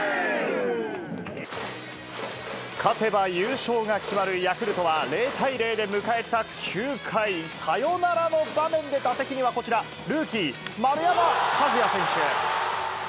勝てば優勝が決まるヤクルトは、０対０で迎えた９回、サヨナラの場面で打席にはこちら、ルーキー、丸山和郁選手。